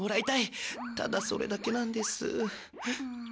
ただそれだけなんです。